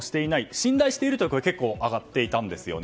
信頼しているという声は結構上がっていたんですよね。